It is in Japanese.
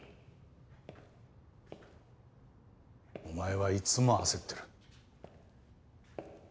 お前はいつも焦ってる。